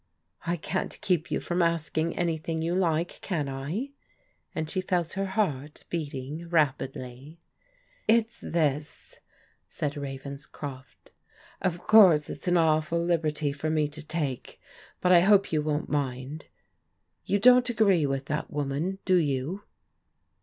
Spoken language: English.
" I can't keep you from asking anything you like, can I ?" and she felt her heart beating rapidly. " It's this," said Ravenscroft. " Of course it's an aw ful liberty for me to take, but I hope you won't mind. You don't agree with that woman, do you?